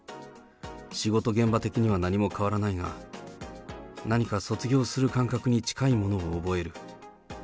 仕事現場的には何も変わらないが、何か卒業する感覚に近いものを覚える。